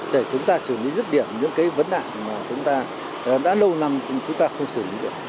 để chúng ta xử lý rất điệt những cái vấn đảm mà chúng ta đã lâu năm chúng ta không xử lý được